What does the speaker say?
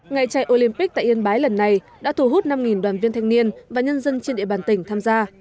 ngày chạy olympic tại yên bái lần này đã thu hút năm đoàn viên thanh niên và nhân dân trên địa bàn tỉnh tham gia